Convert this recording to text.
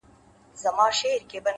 نظم د بریالي فکر هنداره ده’